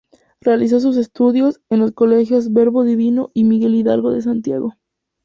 Realizó sus estudios, en los Colegios Verbo Divino y Miguel Hidalgo de Santiago.